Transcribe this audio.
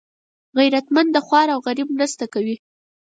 غیرتمند د خوار او غریب مرسته کوي